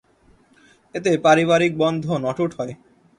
এতে পারিবারিক বন্ধন অটুট হয়।